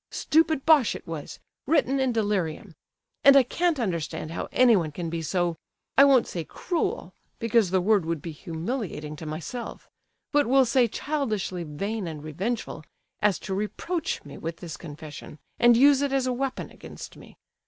Stupid bosh it was—written in delirium. And I can't understand how anyone can be so—I won't say cruel, because the word would be humiliating to myself, but we'll say childishly vain and revengeful, as to reproach me with this confession, and use it as a weapon against me.